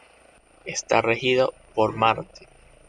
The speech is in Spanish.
Está regido por Marte.